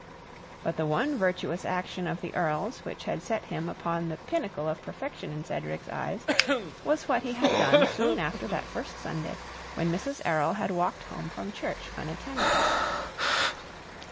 But the one virtuous action of the Earl's which had set him upon the pinnacle of perfection in Cedric's eyes, was what he had done soon after that first Sunday when Mrs. Errol had walked home from church unattended.